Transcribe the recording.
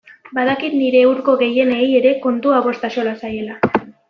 Badakit nire hurko gehienei ere kontua bost axola zaiela.